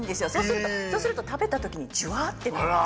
そうすると食べた時にジュワッてなって。